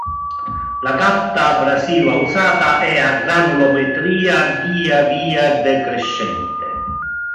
La carta abrasiva usata è a granulometria via via decrescente.